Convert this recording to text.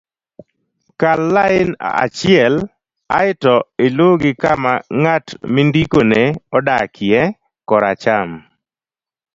kal lain achiel aeto iluw gi kama ng'at mindikone odakie kor acham